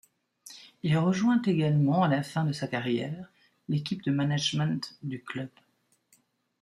Il rejoint également à la fin de sa carrière l'équipe de management du club.